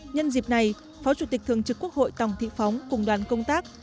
nhân dịp này phó chủ tịch thường trực quốc hội tòng thị phóng cùng đoàn công tác